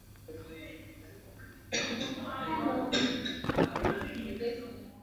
கம்பிகளை சன்னல் வழியே விட்டு பேன்ட், சட்டை, பட்டுப்புடைவை விலை உயர்ந்த துணிமணிகள் எல்லாம் கனவு போயின.